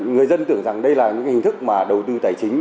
người dân tưởng rằng đây là những hình thức mà đầu tư tài chính